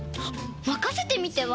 まかせてみては？